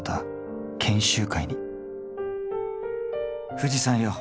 富士山よ。